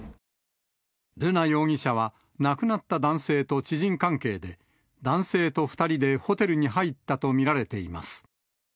瑠奈容疑者は、亡くなった男性と知人関係で、男性と２人でホテルに入ったと見られています。